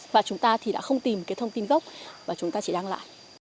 và chúng ta thì đã không tìm cái thông tin gốc và chúng ta chỉ đăng lại